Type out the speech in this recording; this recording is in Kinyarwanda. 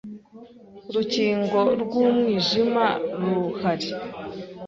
urukingo rw’umwijima ruhari